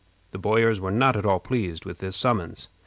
The boyars were not at all pleased with this summons.